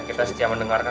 kita setia mendengarkan kok